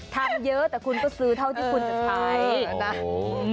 ทำเยอะแต่คุณก็ซื้อเท่าที่คุณจะใช้นะ